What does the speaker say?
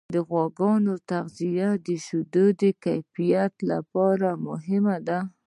د غواګانو تغذیه د شیدو د کیفیت لپاره مهمه ده.